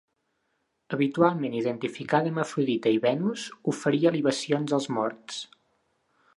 Habitualment identificada amb Afrodita i Venus, oferia libacions als morts.